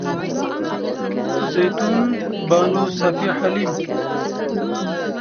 خو زيتون بانو، صفيه حليم